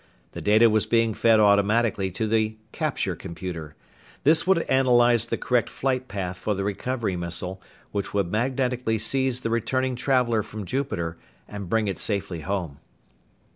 The data was being fed automatically to the "capture" computer. This would analyze the correct flight path for the recovery missile, which would magnetically seize the returning traveler from Jupiter and bring it safely home.